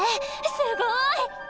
すごい！